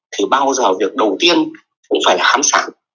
thì bao giờ việc đầu tiên cũng phải là khám sản